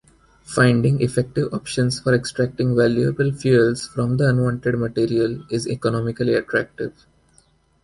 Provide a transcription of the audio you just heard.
Finding effective options for extracting valuable fuels from the unwanted material is economically attractive.